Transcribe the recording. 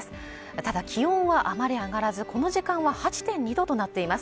ただ気温はあまり上がらずこの時間は８．２度となっています。